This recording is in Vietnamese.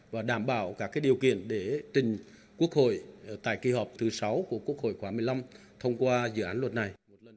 và đảm bảo các điều kiện để trình quốc hội tại kỳ họp thứ sáu của quốc hội khóa một mươi năm thông qua dự án luật này